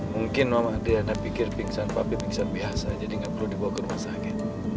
mungkin mama diana pikir pingsan tapi pingsan biasa jadi nggak perlu dibawa ke rumah sakit